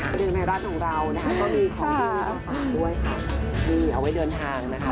ในบ้านของเรามีของหิวเอาไว้เดินทางนะคะ